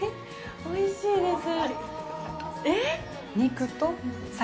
おいしいです。